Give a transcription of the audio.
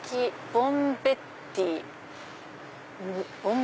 ボンベッテ？